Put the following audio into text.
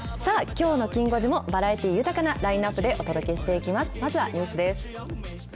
きょうのきん５時も、バラエティ豊かなラインナップでお届けしていきます。